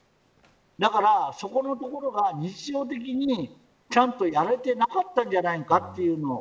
そこのところが日常的にちゃんとやれてなかったんじゃないかというのを